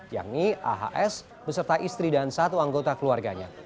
yang ini ahs beserta istri dan satu anggota keluarganya